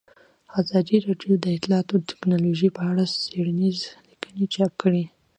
ازادي راډیو د اطلاعاتی تکنالوژي په اړه څېړنیزې لیکنې چاپ کړي.